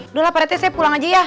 udah lah pak rt saya pulang aja ya